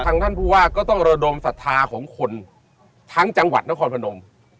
ท่านผู้ว่าก็ต้องระดมศรัทธาของคนทั้งจังหวัดนครพนม